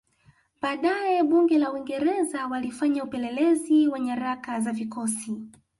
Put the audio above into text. Baadae Bunge la Uingereza walifanya upelelezi wa nyaraka za vikosi